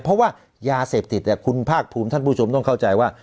เพราะว่ายาเสพติดคุณภาคภูมิท่านผู้ชมต้องเข้าใจว่า